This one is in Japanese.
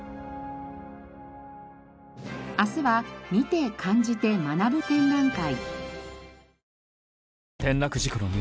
明日は「見て感じて学ぶ展覧会」。